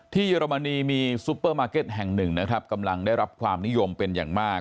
เยอรมนีมีซุปเปอร์มาร์เก็ตแห่งหนึ่งนะครับกำลังได้รับความนิยมเป็นอย่างมาก